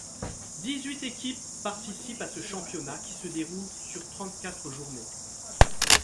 Dix-huit équipes participent à ce championnat qui se déroule sur trente-quatre journées.